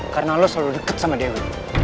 karena lo selalu deket sama dewi